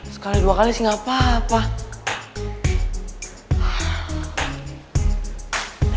sekali dua kali sih gapapa